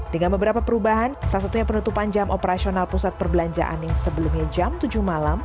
dengan beberapa perubahan salah satunya penutupan jam operasional pusat perbelanjaan yang sebelumnya jam tujuh malam